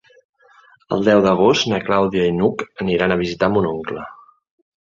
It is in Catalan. El deu d'agost na Clàudia i n'Hug aniran a visitar mon oncle.